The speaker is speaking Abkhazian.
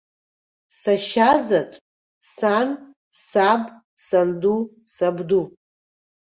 Сашьазаҵә, сан, саб, санду, сабду.